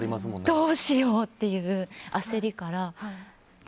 どうしようっていう焦りから。